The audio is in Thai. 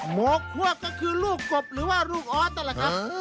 หมวกควบก็คือลูกกบหรือว่าลูกออสนั่นแหละครับ